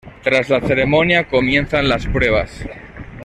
Tras la ceremonia comienzan las pruebas.